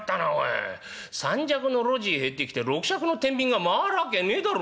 ３尺の路地入ってきて６尺の天秤が回るわけねえだろ